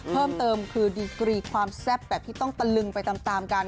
เพิ่มเติมคือดีกรีความแซ่บแบบที่ต้องตะลึงไปตามกัน